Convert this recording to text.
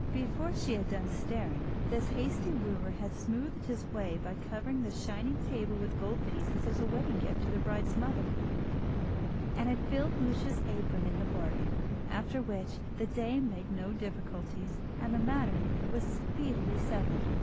Before she had done staring, this hasty wooer had smoothed his way by covering the shining table with gold pieces as a wedding gift to the bride's mother, and had filled Lucia's apron into the bargain; after which the dame made no difficulties, and the matter was speedily settled.